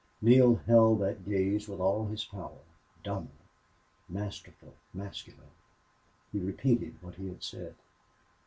Neale held that gaze with all his power dominant, masterful, masculine. He repeated what he had said.